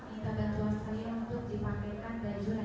apalagi mobil elektrisnya